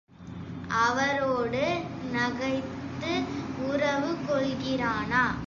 அவரோடு நகைத்து உறவு கொள்கிறானா?